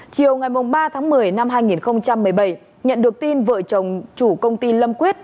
chiều ngày ba tháng một mươi năm hai nghìn một mươi bảy nhận được tin vợ chồng chủ công ty lâm quyết